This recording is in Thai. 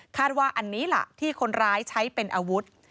ว่าอันนี้ล่ะที่คนร้ายใช้เป็นอาวุธ